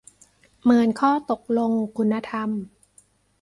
เมินข้อตกลงคุณธรรม ?